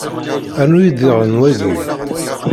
Rnu-iyi-d diɣen wagi.